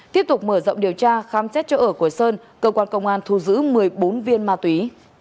tiếp tục mở rộng điều tra khám xét chỗ ở của sơn cơ quan công an thu giữ một mươi bốn viên ma túy